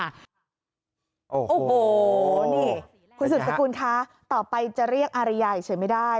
โอ้โหนี่คุณสุดสกุลคะต่อไปจะเรียกอารยาเฉยไม่ได้